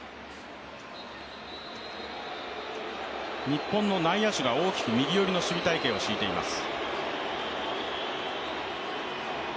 日本の内野手が大きく右寄りの守備態勢を敷いています。